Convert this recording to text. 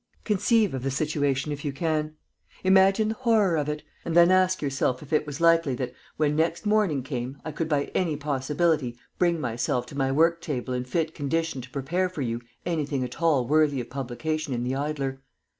_ Conceive of the situation if you can. Imagine the horror of it, and then ask yourself if it was likely that when next morning came I could by any possibility bring myself to my work table in fit condition to prepare for you anything at all worthy of publication in the _Idler.